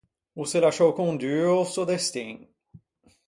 O s’é lasciou condue a-o sò destin.